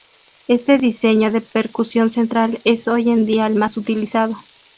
Este diseño de percusión central es hoy en día el más utilizado..